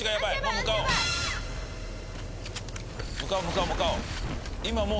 向かおう向かおう。